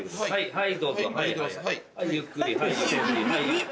はい。